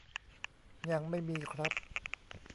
ยังไม่มีครับ